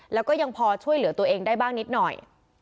แล้วก็ยังพอช่วยเหลือตัวเองได้บ้างนิดหน่อย